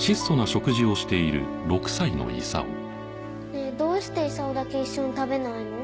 ねえどうして功だけ一緒に食べないの？